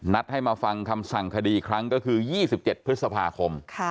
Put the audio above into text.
ให้มาฟังคำสั่งคดีอีกครั้งก็คือ๒๗พฤษภาคม